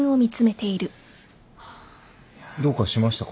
どうかしましたか？